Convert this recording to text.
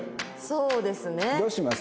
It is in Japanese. そうですね。どうします？